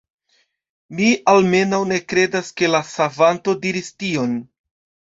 Mi, almenaŭ ne kredas ke la Savanto diris tion.